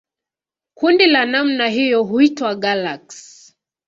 Kundi la namna hiyo huitwa galaksi.